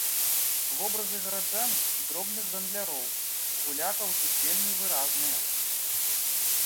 Вобразы гараджан, дробных гандляроў, гулякаў тут вельмі выразныя.